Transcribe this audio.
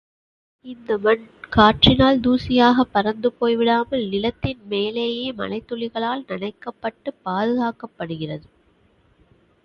இந்த மண் காற்றினால் தூசியாகப் பறந்து போய்விடாமல் நிலத்தின் மேலேயே மழைத்துளிகளால் நனைக்கப்பட்டுப் பாதுகாக்கப்படுகிறது.